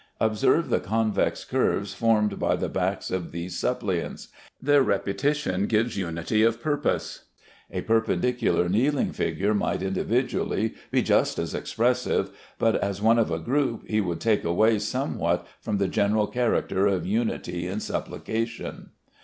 Observe the convex curves formed by the backs of these suppliants. Their repetition gives unity of purpose. A perpendicular kneeling figure might individually be just as expressive, but as one of a group he would take away somewhat from the general character of unity in supplication.